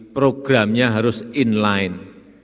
programnya harus in line